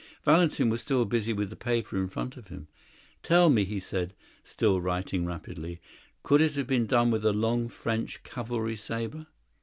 Valentin was still busy with the paper in front of him. "Tell me," he said, still writing rapidly, "could it have been done with a long French cavalry sabre?"